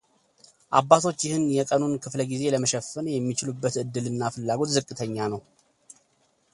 አባቶች ይህን የቀኑን ክፍለ ጊዜ ለመሸፈን የሚችሉበት ዕድል እና ፍላጎት ዝቅተኛ ነው።